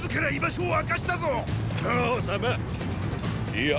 いや。